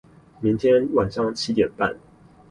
明天晚上七點半